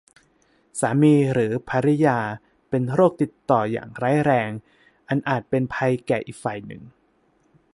สามีหรือภริยาเป็นโรคติดต่ออย่างร้ายแรงอันอาจเป็นภัยแก่อีกฝ่ายหนึ่ง